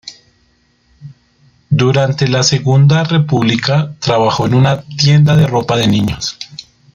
Durante la Segunda República trabajó en una tienda de ropa de niños.